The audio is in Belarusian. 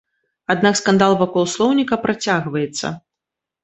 Аднак скандал вакол слоўніка працягваецца.